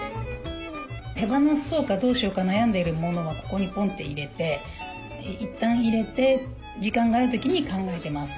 手放そうかどうしようか悩んでいるモノはここにポンって入れていったん入れて時間がある時に考えてます。